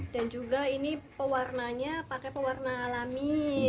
dan juga ini pewarna nya pakai pewarna alami